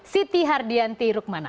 siti hardianti rukmana